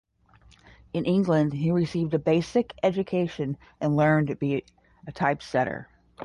In England, he received a basic education and learned to be a typesetter.